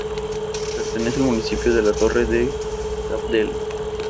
Pertenece al municipio de la Torre de Cabdella.